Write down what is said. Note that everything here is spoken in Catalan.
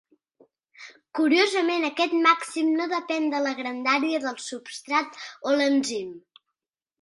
Curiosament, aquest màxim no depèn de la grandària del substrat o de l'enzim.